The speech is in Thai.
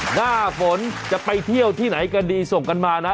หน้าฝนจะไปเที่ยวที่ไหนก็ดีส่งกันมานะ